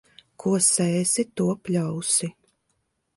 Ko sēsi, to pļausi.